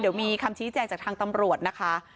จะมีคำชี้แจจากทางตำรวจนะคะ